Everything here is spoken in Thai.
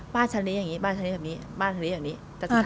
บ้านฉันเลี้ยงอย่างนี้บ้านฉันเลี้ยงแบบนี้บ้านฉันเลี้ยงอย่างนี้